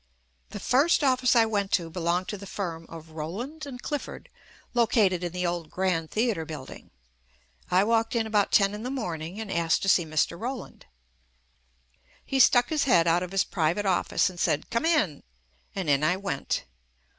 The first office I went to belonged to the firm of "Rowland & Clif ford," located in the old Grand Theatre Build ing. I walked in about ten in the morning and asked to see Mr. Rowland. He stuck his head out of his private office and said, "Come in." And in I went.